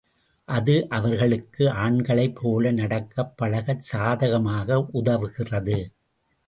அது அவர்களுக்கு ஆண்களைப் போல நடக்கப் பழகச் சாதகமாக உதவுகிறது.